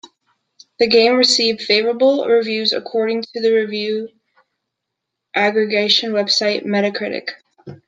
The game received "favorable" reviews according to the review aggregation website Metacritic.